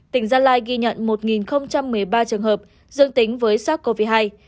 tỉnh gia lai ghi nhận một một mươi ba trường hợp dương tính với sát covid một mươi chín